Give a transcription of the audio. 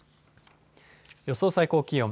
予想最高気温。